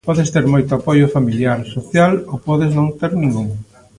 Podes ter moito apoio familiar, social, ou podes non ter ningún.